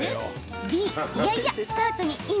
Ｂ・いやいや、スカートにイン？